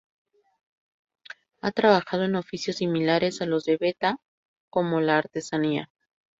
Han trabajado en oficios similares a los de la Beta Israel, como la artesanía.